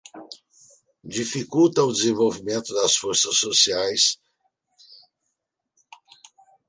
dificulta o desenvolvimento das forças sociaisdificulta o desenvolvimento das forças sociais